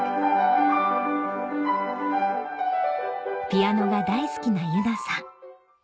ピアノが大好きな結那さん